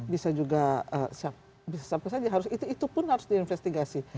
bisa juga siapa saja itu pun harus diinvestigasi